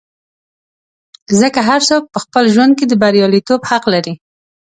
ځکه هر څوک په خپل ژوند کې د بریالیتوب حق لري.